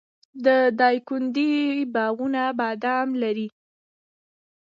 د دایکنډي باغونه بادام لري.